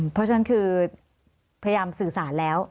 เพราะฉะนั้นคือพยายามสื่อสารแล้ว